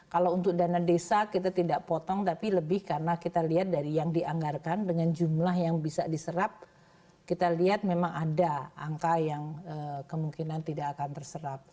kalau untuk dana desa kita tidak potong tapi lebih karena kita lihat dari yang dianggarkan dengan jumlah yang bisa diserap kita lihat memang ada angka yang kemungkinan tidak akan terserap